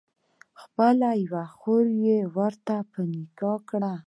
خپله یوه خور یې ورته په نکاح کړه.